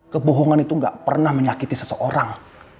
kebohongan itu gak pernah menyakiti seseorang